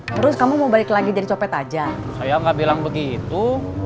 terus kamu mau balik lagi jadi copet aja saya nggak bilang begitu